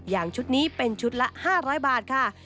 ชุดนี้เป็นชุดละ๕๐๐บาทค่ะ